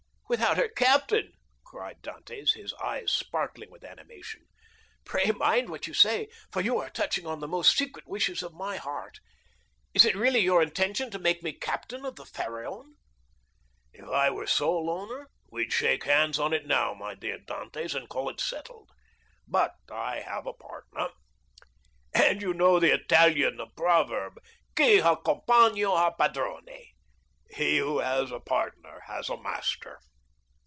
"Without her captain!" cried Dantès, his eyes sparkling with animation; "pray mind what you say, for you are touching on the most secret wishes of my heart. Is it really your intention to make me captain of the Pharaon?" "If I were sole owner we'd shake hands on it now, my dear Dantès, and call it settled; but I have a partner, and you know the Italian proverb—Chi ha compagno ha padrone—'He who has a partner has a master.